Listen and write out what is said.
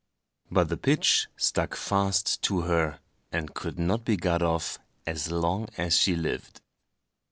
But the pitch stuck fast to her, and could not be got off as long as she lived.